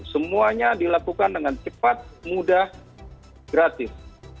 semuanya dilakukan dengan cepat mudah gratis